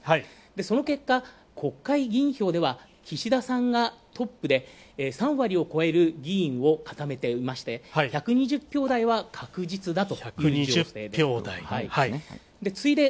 その結果、国会議員票では岸田さんがトップで、３割を超える議員を固めていまして、１２０票台は確実だと。